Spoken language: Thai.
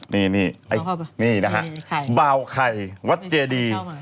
นี่แบบบาวไข่วัฒน์เจดี